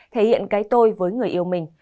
thể hiện cái tôi với người yêu mình